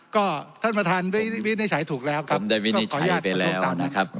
ก็ท่านประธานวินิจฉัยถูกแล้วครับได้วินิจฉัยไปแล้วนะครับ